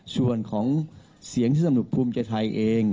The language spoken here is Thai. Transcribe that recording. ส่วนของเสียงที่สนุกภูมิใจไทยเอง